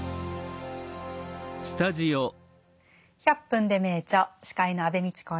「１００分ｄｅ名著」司会の安部みちこです。